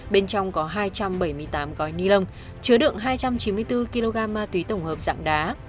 bên trong có hai trăm bảy mươi tám gói ni lông chứa đựng hai trăm chín mươi bốn kg ma túy tổng hợp dạng đá